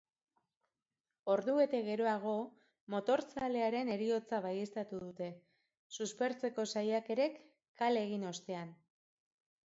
Ordubete geroago motorzalearen heriotza baieztatu dute, suspertzeko saiakerek kale egin ostean.